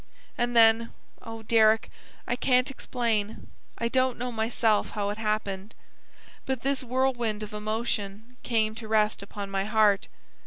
And then oh, Deryck! I can't explain I don't know myself how it happened but this whirlwind of emotion came to rest upon my heart.